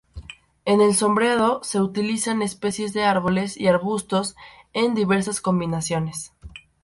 En el sombreado se utilizan especies de árboles y arbustos en diversas combinaciones.